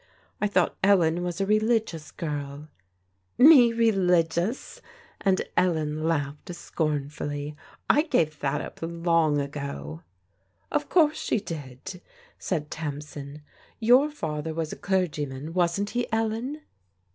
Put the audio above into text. I thought Ellen was a religious girl" " Me religious I " and Ellen laughed scornfully. " I gave that up long ago." " Of course she did/' said Tamsin. " Your father was a clergyman, wasn't he, Ellen